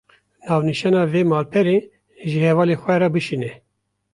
Navnîşana vê malperê, ji hevalê xwe re bişîne